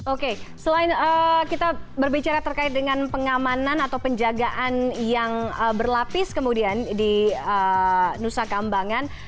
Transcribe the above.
oke selain kita berbicara terkait dengan pengamanan atau penjagaan yang berlapis kemudian di nusa kambangan